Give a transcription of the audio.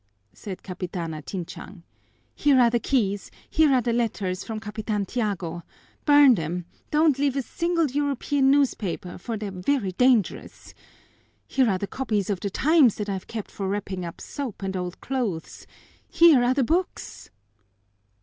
said Capitana Tinchang. "Here are the keys, here are the letters from Capitan Tiago. Burn them! Don't leave a single European newspaper, for they're very dangerous. Here are the copies of The Times that I've kept for wrapping up soap and old clothes. Here are the books."